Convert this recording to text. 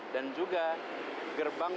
dan juga gerbang